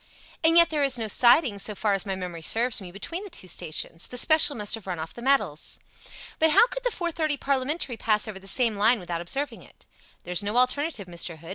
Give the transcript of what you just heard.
"And yet there is no siding, so far as my memory serves me, between the two stations. The special must have run off the metals." "But how could the four fifty parliamentary pass over the same line without observing it?" "There's no alternative, Mr. Hood.